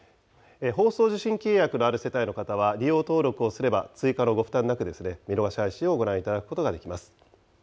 放送受信契約のある世帯の方は、利用登録をすれば、追加のご負担なく、見逃し配信をご覧いただくことができます。